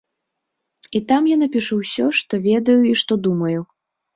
І там я напішу ўсё, што ведаю і што думаю.